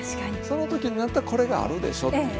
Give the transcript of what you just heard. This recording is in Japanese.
その時になったらこれがあるでしょという。